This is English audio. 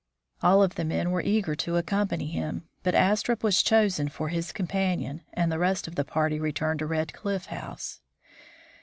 All of the men were eager to accompany him, but Astrup was chosen for his companion, and the rest of the party returned to Red Cliff House.